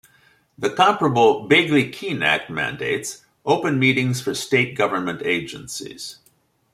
The comparable Bagley-Keene Act mandates open meetings for State government agencies.